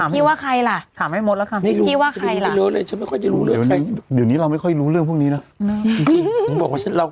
ถามให้ว่าใครล่ะ